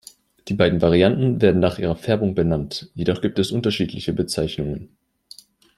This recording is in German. Die beiden Varianten werden nach ihrer Färbung benannt, jedoch gibt es unterschiedliche Bezeichnungen.